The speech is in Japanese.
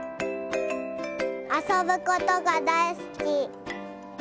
あそぶことがだいすき。